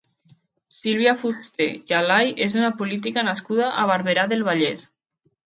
Sílvia Fuster i Alay és una política nascuda a Barberà del Vallès.